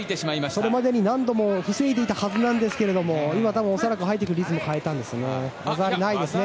それまでに何度も防いでいたはずなんですがリズムを変えたんですよね。